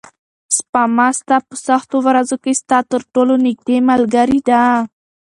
سپما ستا په سختو ورځو کې ستا تر ټولو نږدې ملګرې ده.